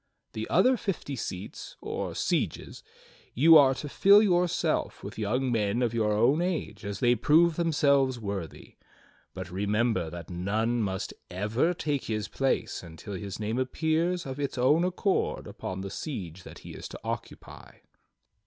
The other fifty seats, or sieges, you are to fill yourself with young men of your own age as they prove themselves worthy. But remember, that none must ever take his place until his name appears of its own accord upon the siege that he is to occupy."